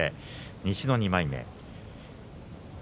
西の２枚目。